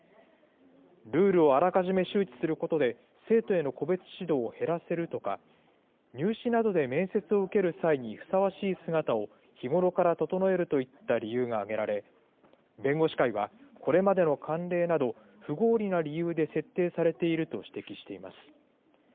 ルールをあらかじめ周知することで、生徒への個別指導を減らせるとか、入試などで面接を受ける際に、ふさわしい姿を、日頃から整えるといった理由が上げられ、弁護士会は、これまでの慣例など、不合理な理由で設定されていると指摘しています。